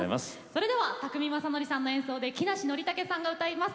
それでは宅見将典さんの演奏で木梨憲武さんが歌います。